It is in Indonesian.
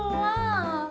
gimana kalau gak